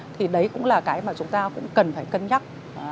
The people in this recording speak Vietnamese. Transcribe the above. thì đấy cũng là cái mà chúng ta cũng cần phải cân nhắc